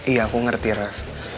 iya aku ngerti rev